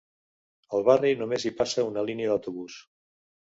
Al barri només hi passa una línia d'autobús.